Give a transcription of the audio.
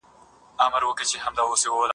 داسي در کتل او ملاقات زما په زړه کي دی